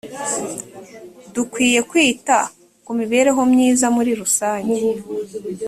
dukwiye kwita ku mibereho myiza muri rusange